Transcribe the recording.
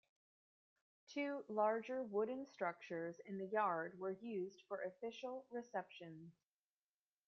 Two larger wooden structures in the yard were used for official receptions.